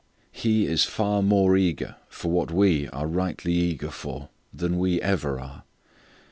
He is far more eager for what we are rightly eager for than we ever are.